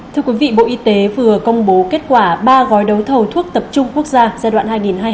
thưa quý vị bộ y tế vừa công bố kết quả ba gói đấu thầu thuốc tập trung quốc gia giai đoạn hai nghìn hai mươi hai hai nghìn hai mươi ba